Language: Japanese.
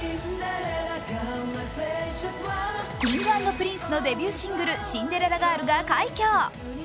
Ｋｉｎｇ＆Ｐｒｉｎｃｅのデビューシングル「シンデレラガール」が快挙。